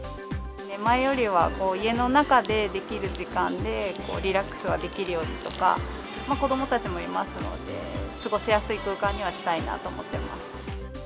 前よりは家の中でできる時間で、リラックスができるようにとか、子どもたちもいますので、過ごしやすい空間にはしたいなと思っています。